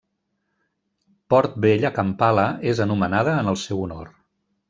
Port Bell a Kampala és anomenada en el seu honor.